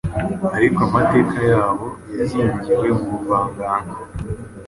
ariko amateka yabo yazingiwe mu buvanganzo.